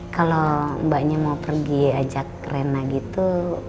kalau mbaknya mau pergi ajak kerena gitu